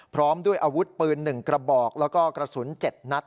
พร้อมด้วยอาวุธปืนหนึ่งกระบอกและกระสุนเจ็ดนัด